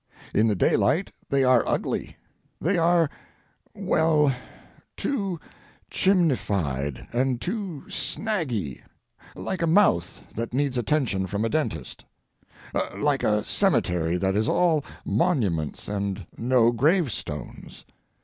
In the daylight they are ugly. They are—well, too chimneyfied and too snaggy—like a mouth that needs attention from a dentist; like a cemetery that is all monuments and no gravestones.